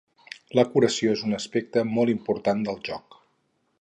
La curació és un aspecte molt important del joc.